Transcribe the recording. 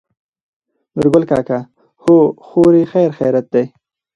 نورګل کاکا: هو خورې خېرخېرت دى.